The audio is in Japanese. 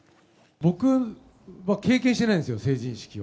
僕は経験してないんですよ、成人式を。